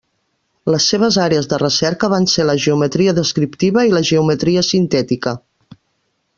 Les seves àrees de recerca van ser la geometria descriptiva i la geometria sintètica.